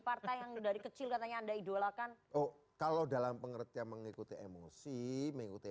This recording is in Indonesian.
partai yang dari kecil katanya anda idolakan oh kalau dalam pengertian mengikuti emosi mengikuti